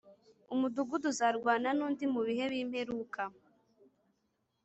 Umudugudu uzarwana n’undi mubihe b’imperuka